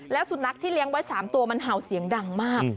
แล้วสุนัขที่เลี้ยงไว้๓ตัวมันเห่าเสียงดังมาก